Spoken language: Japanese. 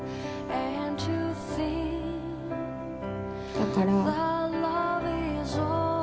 だから。